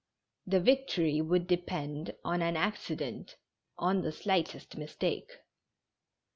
The victory would depend on an accident, on the slightest mistake.